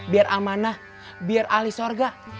biar amanah biar ahli sorga